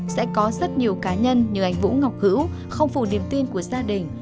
sẽ có rất nhiều cá nhân như anh vũ ngọc hữu không phủ niềm tin của gia đình